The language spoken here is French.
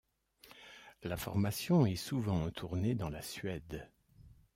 La formation est souvent en tournée dans la Suède.